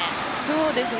そうですね。